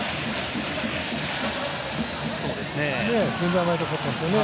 全然甘い球になってますよね。